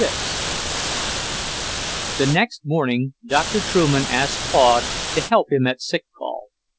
VI The next morning Doctor Trueman asked Claude to help him at sick call.